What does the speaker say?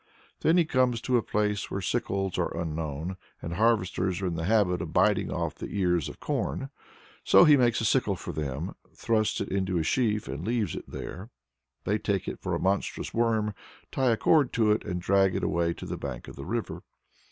Then he comes to a place where sickles are unknown, and harvesters are in the habit of biting off the ears of corn, so he makes a sickle for them, thrusts it into a sheaf and leaves it there. They take it for a monstrous worm, tie a cord to it, and drag it away to the bank of the river.